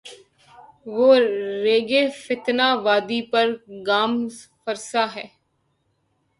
وہ ریگِ تفتۂ وادی پہ گام فرسا ہے